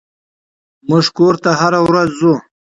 موږ کور ته هره ورځ ځو.